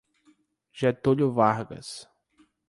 Getúlio Vargas